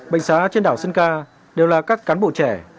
bệnh xá trên đảo sơn ca đều là các cán bộ trẻ